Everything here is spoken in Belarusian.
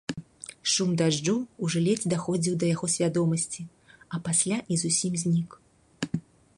Шум дажджу ўжо ледзь даходзіў да яго свядомасці, а пасля і зусім знік.